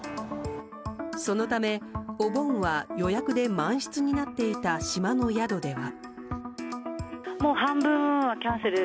そのため、お盆は予約で満室になっていた島の宿では。